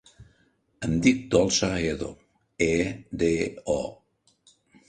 Em dic Dolça Edo: e, de, o.